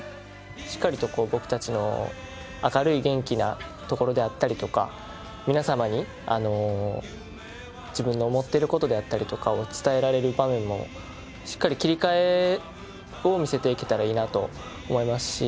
しっかりと、僕たちの明るい元気なところであったりとか、皆様に自分の思っていることであったりとかを伝えられる場面もしっかり切り替えを見せていけたらいいなと思いますし。